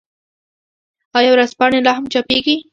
آیا ورځپاڼې لا هم چاپيږي؟